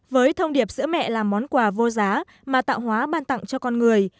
với thông điệp sữa mẹ là món quà vô giá mà tạo hóa ban tặng cho con người